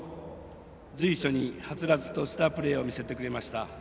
随所にはつらつとしたプレーを見せてくれました。